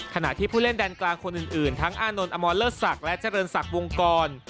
ขณะที่ผู้เล่นแบนกลางคนอื่นทั้งอานนท์อมอลเลอร์สักและเจริญสักวงกร